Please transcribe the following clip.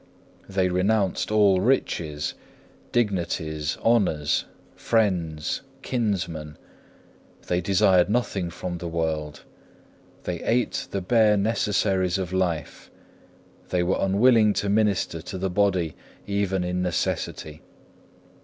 They renounced all riches, dignities, honours, friends, kinsmen; they desired nothing from the world; they ate the bare necessaries of life; they were unwilling to minister to the body even in necessity.